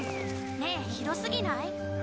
ねえひどすぎない？